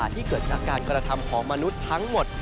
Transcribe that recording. ที่เกิดจากการกระทำของมนุษย์ทั้งหมด